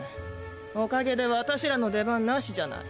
おかげで私らの出番なしじゃない！